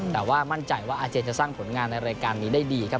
แต่ว่ามั่นใจว่าอาเจนจะสร้างผลงานในรายการนี้ได้ดีครับ